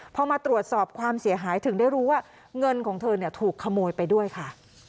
พอมาตรวจสอบความเสียหายถึงได้รู้ว่าเงินของเธอถูกขโมยไปด้วยค่ะ